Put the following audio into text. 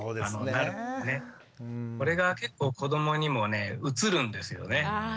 これが結構子どもにも移るんですよね。